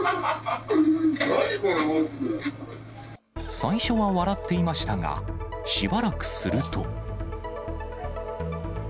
最初は笑っていましたが、しばらくすると。